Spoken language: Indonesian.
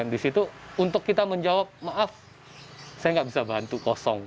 di situ untuk kita menjawab maaf saya nggak bisa bantu kosong